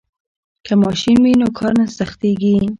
که ماشین وي نو کار نه سختیږي.